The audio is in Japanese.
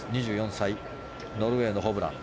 ２４歳、ノルウェーのホブラン。